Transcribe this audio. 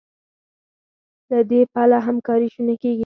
له دې پله همکاري شونې کېږي.